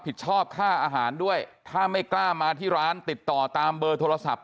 ชอบค่าอาหารด้วยถ้าไม่กล้ามาที่ร้านติดต่อตามเบอร์โทรศัพท์